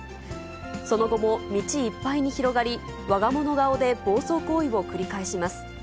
その後も道いっぱいに広がり、わが物顔で暴走行為を繰り返します。